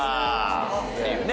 っていうね。